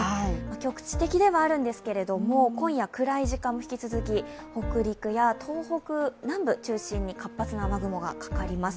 局地的ではあるんですけれども今夜暗い時間も引き続き北陸や東北南部中心に活発な雨雲がかかります。